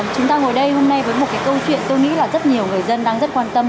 chúng ta ngồi đây hôm nay với một cái câu chuyện tôi nghĩ là rất nhiều người dân đang rất quan tâm